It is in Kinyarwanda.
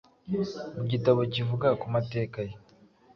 Mu gitabo kivuga ku mateka ye,